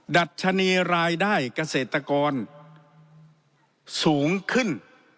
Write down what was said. ดัชนีรายได้เกษตรกรสูงขึ้น